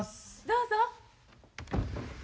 どうぞ。